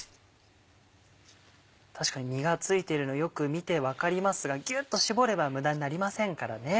確かに実が付いてるのよく見て分かりますがギュっと搾れば無駄になりませんからね。